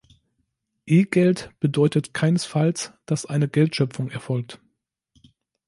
E-Geld bedeutet keinesfalls, das eine Geldschöpfung erfolgt.